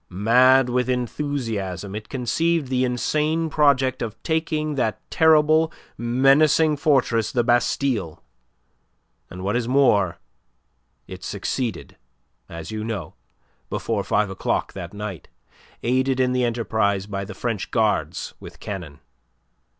Mad with enthusiasm it conceived the insane project of taking that terrible menacing fortress, the Bastille, and, what is more, it succeeded, as you know, before five o'clock that night, aided in the enterprise by the French Guards with cannon.